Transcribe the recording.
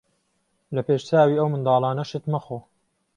لە پێش چاوی ئەو منداڵانە شت مەخۆ.